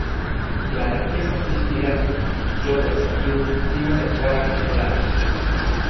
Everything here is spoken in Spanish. la Marquesa suspirante, yo pensativo , sin acertar a consolarla.